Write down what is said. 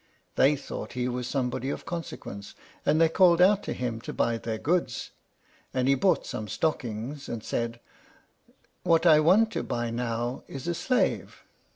They thought he was somebody of consequence, and they called out to him to buy their goods. And he bought some stockings, and said, "What I want to buy now is a slave."